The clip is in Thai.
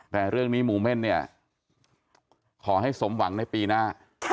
แต่เรื่องนี้หมู่เม่นเนี่ยขอให้สมหวังในปีหน้า